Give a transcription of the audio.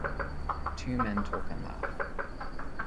Two men talk and laugh.